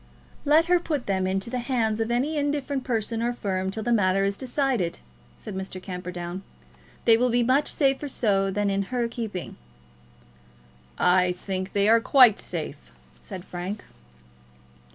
"Let her put them into the hands of any indifferent person or firm till the matter is decided," said Mr. Camperdown. "They will be much safer so than in her keeping." "I think they are quite safe," said Frank.